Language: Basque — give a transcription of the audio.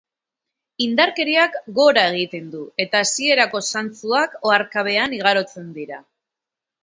Indarkeriak gora egiten du, eta hasierako zantzuak oharkabean igarotzen dira.